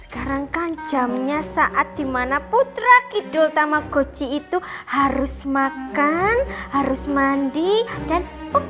sekarang kan jamnya saat dimana putra kidul tama goci itu harus makan harus mandi dan